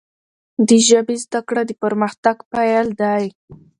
د ژبي زده کړه، د پرمختګ پیل دی.